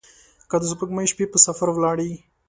که د سپوږمۍ شپې په سفر ولاړي